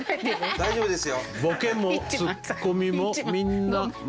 大丈夫ですよ。